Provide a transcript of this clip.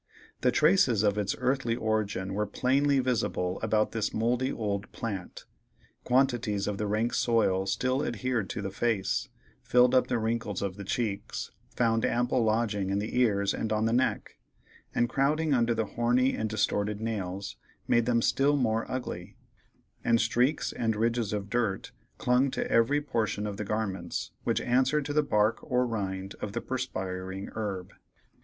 The traces of its earthy origin were plainly visible about this mouldy old plant; quantities of the rank soil still adhered to the face, filled up the wrinkles of the cheeks, found ample lodging in the ears and on the neck, and crowding under the horny and distorted nails, made them still more ugly; and streaks and ridges of dirt clung to every portion of the garments, which answered to the bark or rind of this perspiring herb.